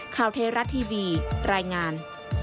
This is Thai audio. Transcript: เทราะทีวีรายงาน